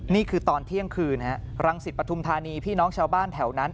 นี่คือตอนเที่ยงคืนรังสิตปฐุมธานีพี่น้องชาวบ้านแถวนั้น